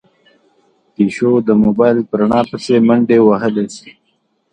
پيشو د موبايل په رڼا پسې منډې وهلې.